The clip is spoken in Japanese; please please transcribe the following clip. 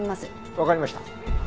わかりました。